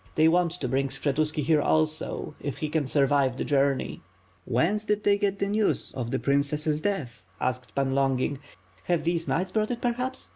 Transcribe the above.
They want to bring Skshetuski here also if he can survive the journey." "And whence did you get the news of the princess' death ?*' asked Pan Longin. "Have these knights brought it per Tiaps?"